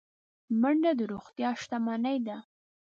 منډه د روغتیا شتمني ده